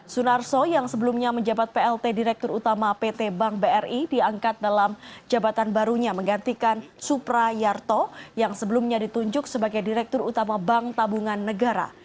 sunarso yang sebelumnya menjabat plt direktur utama pt bank bri diangkat dalam jabatan barunya menggantikan supra yarto yang sebelumnya ditunjuk sebagai direktur utama bank tabungan negara